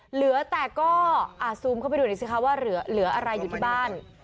เหลือแต่ก็ซูมเข้าไปดูหน่อยสิคะว่าเหลืออะไรอยู่ที่บ้าน